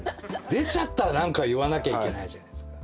出ちゃったら何か言わなきゃいけないじゃないですか。